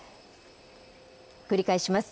繰り返します。